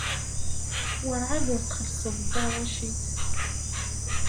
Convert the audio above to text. Werɛad ur txellṣed Dda Racid.